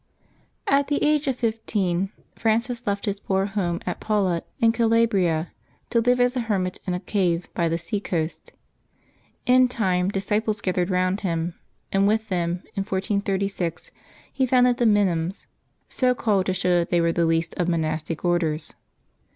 aT the age of fifteen Francis left his poor home at Paula in Calabria, to live as a hermit in a cave by the sea coast. In time disciples gathered round him, and with them, in 1436, he founded the ^^ Minims,'^ so called to show that they were the least of monastic Orders.